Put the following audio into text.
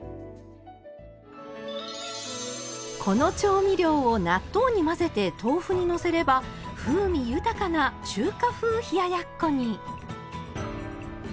この調味料を納豆に混ぜて豆腐にのせれば風味豊かな中華風冷ややっこに。